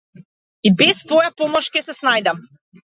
И без твоја помош ќе се снајдам.